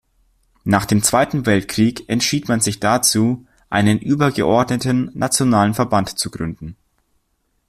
Nach dem Zweiten Weltkrieg entschied man sich dazu, einen übergeordneten nationalen Verband zu gründen.